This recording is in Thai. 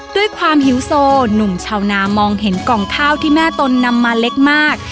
ด้วยความหิวโซหนุ่มชาวนามองเห็นกล่องข้าวที่แม่ตนนำมาเล็กมาก